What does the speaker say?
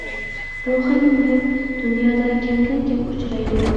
بۇ خىل مۇھىت دۇنيادا كەمدىن-كەم ئۇچرايدۇ.